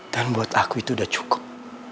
dan buat aku itu udah cukup